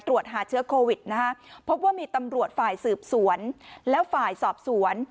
ตรวจหาเชื้อโควิดนะฮะพบว่ามีตำรวจฝ่ายสืบสวนแล้วฝ่ายสอบสวน